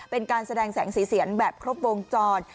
เป็นการแสดงแสงสีเสียงแบบครบวงจร